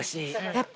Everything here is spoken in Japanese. やっぱ。